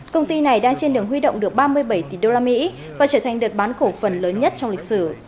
công ty này đang trên đường huy động được ba mươi bảy tỷ đô la mỹ và trở thành đợt bán cổ phần lớn nhất trong lịch sử